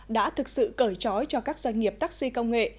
đã thực sự cởi trói cho các doanh nghiệp taxi công nghệ